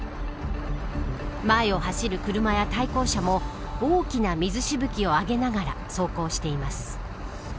前を走る車や対向車も大きな水しぶきを上げながら走行しています。